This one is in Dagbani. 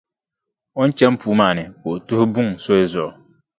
O ni chani puu maa ni, ka o tuhi buŋa soli zuɣu.